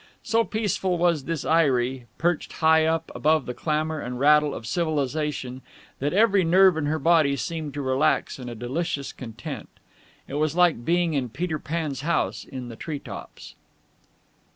So peaceful was this eyrie, perched high up above the clamour and rattle of civilization, that every nerve in her body seemed to relax in a delicious content. It was like being in Peter Pan's house in the tree tops.